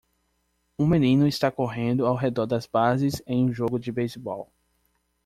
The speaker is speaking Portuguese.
Um menino está correndo ao redor das bases em um jogo de beisebol.